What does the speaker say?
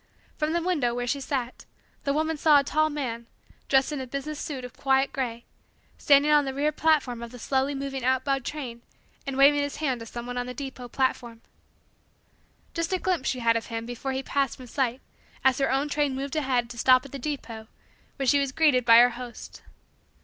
From the window where she sat the woman saw a tall man, dressed in a business suit of quiet gray, standing on the rear platform of the slowly moving outbound train and waving his hand to someone on the depot platform. Just a glimpse she had of him before he passed from sight as her own train moved ahead to stop at the depot where she was greeted by her host.